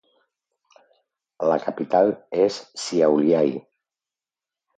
La capital és Šiauliai.